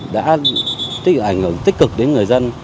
đã ảnh hưởng tích cực đến người dân